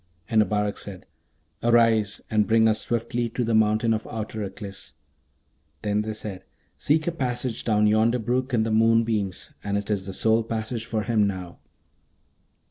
And Abarak said, 'Arise, and bring us swiftly to the mountain of outer Aklis.' Then said they, 'Seek a passage down yonder brook in the moonbeams; and it is the sole passage for him now.'